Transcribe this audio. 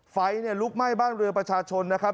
ไฟลุกไหม้บ้านเรือประชาชนนะครับ